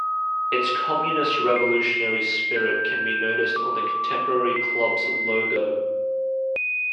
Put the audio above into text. Its communist revolutionary spirit can be noticed on the contemporary club's logo.